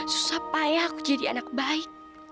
susah payah jadi anak baik